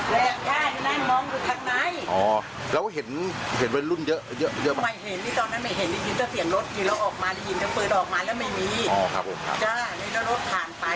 แหลกแหลกนั่นมองดูทางไหนอ๋อแล้วเห็นเห็นวันรุ่นเยอะเยอะเยอะปะ